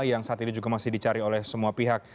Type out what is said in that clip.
yang saat ini juga masih dicari oleh semua pihak